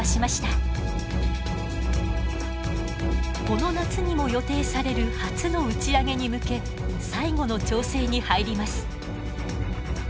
この夏にも予定される初の打ち上げに向け最後の調整に入ります。